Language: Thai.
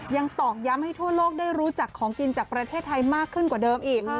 ตอกย้ำให้ทั่วโลกได้รู้จักของกินจากประเทศไทยมากขึ้นกว่าเดิมอีก